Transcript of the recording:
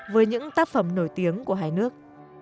với những tác phẩm nổi tiếng của hai nước